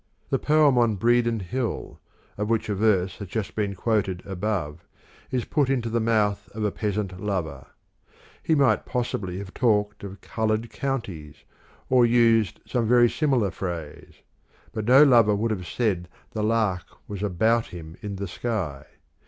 The poem on Bredon Hill, of which a verse has just been quoted above, is put into the mouth of a peasant lover. He might possibly have talked of " coloured counties," or used some very similar phrase. But no lover would have said the lark was " about " him in the sky.